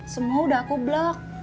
semua udah aku blok